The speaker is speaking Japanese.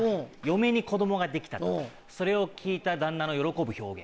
嫁に子供ができたそれを聞いた旦那の喜ぶ表現。